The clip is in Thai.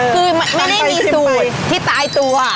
คือไม่ได้มีสูตรที่ตายตัว